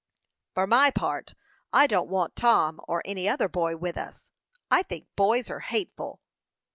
"For my part I don't want Tom, or any other boy with us. I think boys are hateful!"